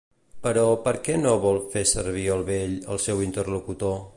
Però per què no vol fer servir el vell, el seu interlocutor?